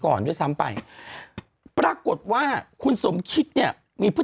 คนมันเหงาคนมันอยากจะมีคู่